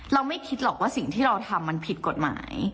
เราไม่คิดหรอกว่าสิ่งที่เราทำมันผิดกฎหมาย